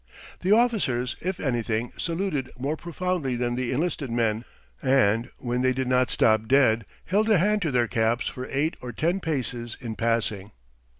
The officers, if anything, saluted more profoundly than the enlisted men, and, when they did not stop dead, held a hand to their caps for eight or ten paces in passing.